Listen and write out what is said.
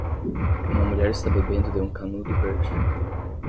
Uma mulher está bebendo de um canudo verde.